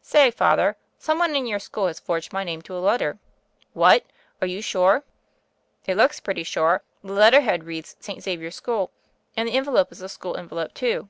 "Say, Father, some one in your school has forged my name to a letter." "Whatl Are you sure?" "It looks pretty sure. The letter head reads *St. Xavier School,' and the envelope is a school envelope, too.